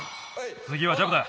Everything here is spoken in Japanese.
つぎはジャブだ。